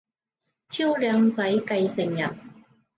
超靚仔繼承人